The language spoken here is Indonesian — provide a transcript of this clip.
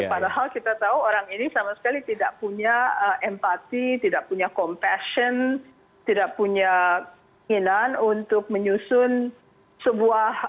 padahal kita tahu orang ini sama sekali tidak punya empati tidak punya compassion tidak punya inginan untuk menyusun sebuah ekonomi amerika yang lebih efektif untuk menanggulangi